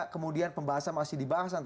kemudian pembahasan masih dibahas